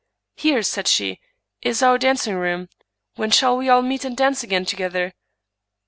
" Here," said she, " is our dancing room. When shall we all meet and dance again together?".